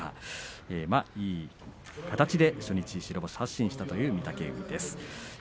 いい形で初日白星発進したという御嶽海です。